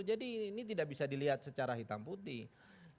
jadi ini tidak bisa dilihat secara hitam putih